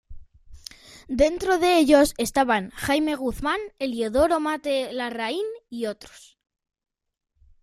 Dentro de ellos estaban Jaime Guzmán, Eliodoro Matte Larraín, y otros.